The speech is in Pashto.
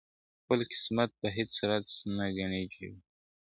خپل قسمت په هیڅ صورت نه ګڼي جبر ..